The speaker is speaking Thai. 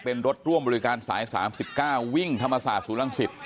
เป็นรถร่วมบริการสาย๓๙วิ่งธรรมศาสตร์ศูนรังสิต